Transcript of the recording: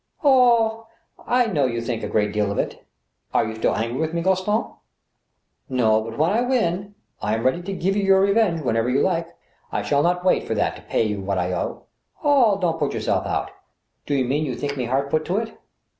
" Oh ! I know you think a great deal of it. ... Are you still angry with me, Gaston ?"" No, ... but when I win ,.."" I am ready to give you your revenge, whenever you like." " I shall not wait for that to pay you what I owe." " Oh ! don't put yourself out." " Do you mean you think me hard put to it